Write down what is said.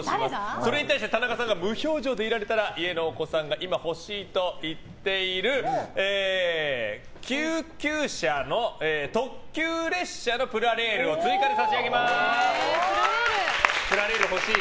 それに対して田中さんが無表情でいられたらお子さんが今欲しいと言っている特急車両のプラレールを追加で差し上げます。